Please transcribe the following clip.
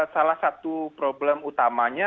salah satu problem utamanya